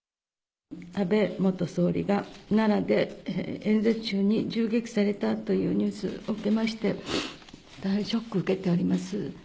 安倍元総理が奈良で演説中に銃撃されたというニュースを受けまして、大変ショック受けております。